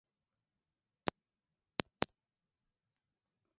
Virusi vya ugonjwa huu vinaweza kudumu kwenye vidonda hivyo kwa muda mrefu hasa kiangazi